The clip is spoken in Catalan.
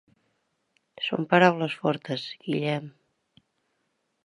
Són paraules fortes, Guillem.